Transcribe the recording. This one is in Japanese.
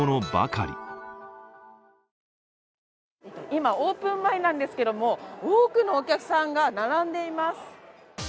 今、オープン前なんですけれども多くのお客さんが並んでいます。